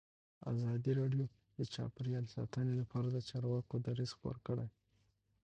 ازادي راډیو د چاپیریال ساتنه لپاره د چارواکو دریځ خپور کړی.